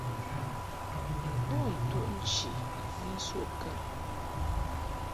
Bo ntuʼ nchi ni nsuʼ kaŋ.